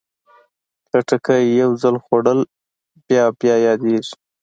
خټکی یو ځل خوړل بیا بیا یادېږي.